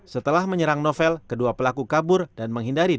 setelah menyerang novel kedua pelaku kabur dan menghindari